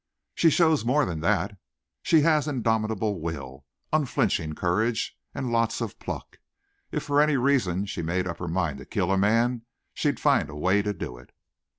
"She shows more than that; she has indomitable will, unflinching courage, and lots of pluck. If, for any reason, she made up her mind to kill a man, she'd find a way to do it."